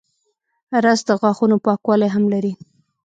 رس د غاښونو پاکوالی هم لري